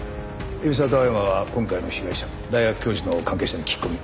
海老沢と青山は今回の被害者大学教授の関係者に聞き込み。